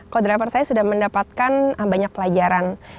co driver saya sudah mendapatkan banyak pelajaran